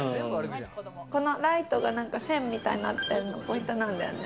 ライトが線みたいになってるのポイントなんだよね。